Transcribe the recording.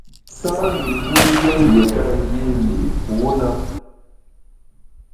Sâ mi mu njùen yiéka yî li’ pû na.